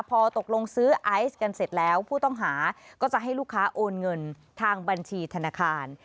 พอตกลงซื้อไอซ์กันเสร็จแล้วผู้ต้องหาก็จะให้ลูกค้าโอนเงินทางบัญชีธนาคาร